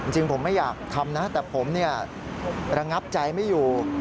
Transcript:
จริงผมไม่อยากทำนะแต่ผมระงับใจไม่อยู่